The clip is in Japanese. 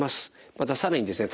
また更にですね